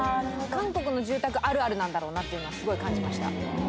韓国の住宅あるあるなんだろうなっていうのはすごい感じました。